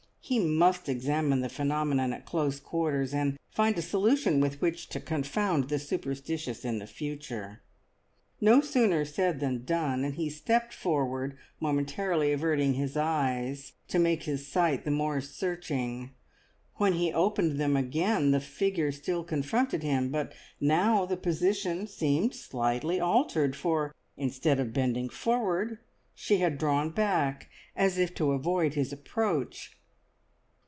He must examine the phenomenon at close quarters, and find a solution with which to confound the superstitious in the future. No sooner said than done, and he stepped forward, momentarily averting his eyes, to make his sight the more searching. When he opened them again the figure still confronted him; but now the position seemed slightly altered, for instead of bending forward she had drawn back, as if to avoid his approach.